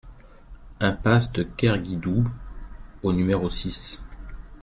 Impasse de Kerguidoue au numéro six